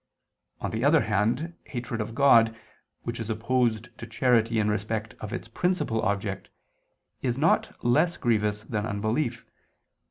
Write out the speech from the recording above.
On the other hand, hatred of God, which is opposed to charity in respect of its principal object, is not less grievous than unbelief.